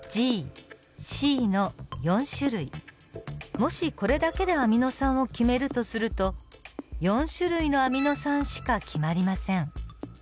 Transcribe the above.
もしこれだけでアミノ酸を決めるとすると４種類のアミノ酸しか決まりません。